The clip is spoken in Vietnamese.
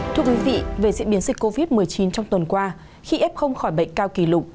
thưa quý vị về diễn biến dịch covid một mươi chín trong tuần qua khi f khỏi bệnh cao kỷ lục